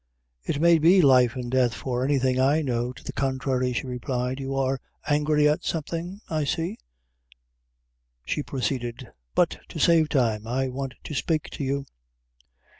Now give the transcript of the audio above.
"It may be life an' death for any thing I know to the contrary," she replied; "you are angry at something, I see," she proceeded "but to save time, I want to spake to you."